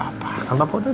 kau udah bilang gak apa apa